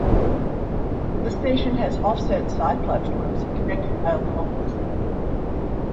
The station has offset side platforms connected by a level crossing.